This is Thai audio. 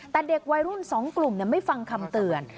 แต่เด็กวัยรุ่น๒กลุ่มไม่ฟังคำเตือน